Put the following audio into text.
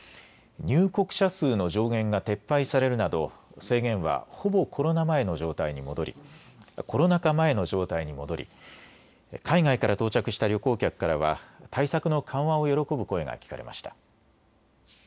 入国者数の上限が撤廃されるなど制限は、ほぼコロナ禍前の状態に戻り海外から到着した旅行客からは対策の緩和を喜ぶ声が聞かれました。